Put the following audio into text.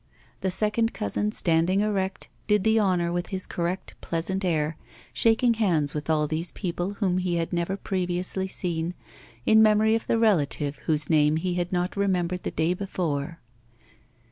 The second cousin, standing erect, did the honours with his correct, pleasant air, shaking hands with all these people whom he had never previously seen, in memory of the relative whose name he had not remembered the day before.